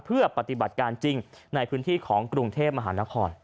เพื่อปฏิบัติการจริงในพื้นที่ของกรุงเทพมหานคร